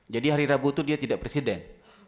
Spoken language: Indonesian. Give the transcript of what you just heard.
jadi hari rabu itu dia tidak presiden